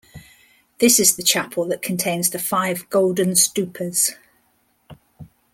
This is the chapel that contains the five golden stupas.